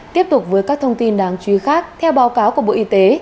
tiếp tục với các thông tin đáng chú ý khác theo báo cáo của bộ y tế